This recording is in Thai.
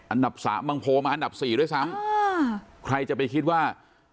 อันดับสามบางโพมาอันดับสี่ด้วยซ้ำใครจะไปคิดว่า